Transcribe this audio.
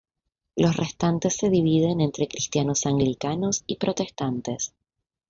Los restantes se dividen entre cristianos anglicanos y protestantes.